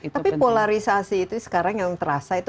tapi polarisasi itu sekarang yang terasa itu